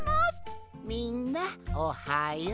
みんなおはよう。